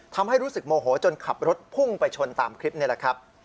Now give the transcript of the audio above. ทำให้รู้สึกโมโหจนขับรถพุ่งไปชนตามคลิปนี่แหละครับ